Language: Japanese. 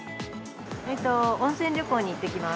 温泉旅行に行ってきます。